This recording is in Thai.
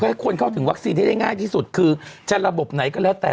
ให้คนเข้าถึงวัคซีนให้ได้ง่ายที่สุดคือจะระบบไหนก็แล้วแต่